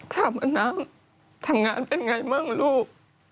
ถามว่าน้ำทำงานเป็นไงบ้างลูก